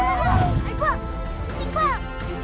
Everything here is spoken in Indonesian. aibak kutip pak